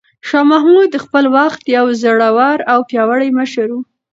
شاه محمود د خپل وخت یو زړور او پیاوړی مشر و.